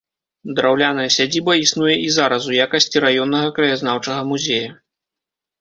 Драўляная сядзіба існуе і зараз у якасці раённага краязнаўчага музея.